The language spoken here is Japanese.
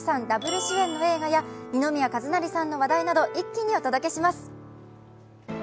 ダブル主演の映画や二宮和也さんの話題など一気にお届けします。